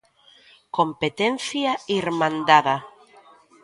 Competencia irmandada.